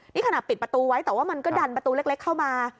นี่ขณะปิดประตูไว้แต่ว่ามันก็ดันประตูเล็กเข้ามา